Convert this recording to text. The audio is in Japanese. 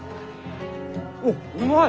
おっうまい！